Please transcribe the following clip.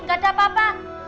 gak ada apa apa